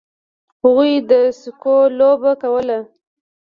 هغوی د سکو لوبه کوله.